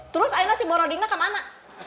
terus ayah si brodingnya kemana